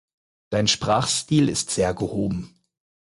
Dein Sprachstil ist sehr gehoben.